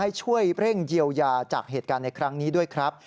ให้ช่วยเร่งเยียวยาจากเหตุการณ์ในครั้งนี้ด้วยครับ